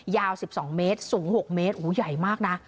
ยาว๑๒เมตรสูง๖เมตรโอ้โหใหญ่มากนะ